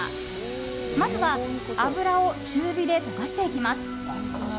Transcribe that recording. まずは、脂を中火で溶かしていきます。